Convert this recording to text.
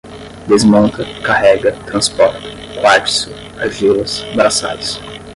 desmonta, carrega, transporta, quartzo, argilas, braçais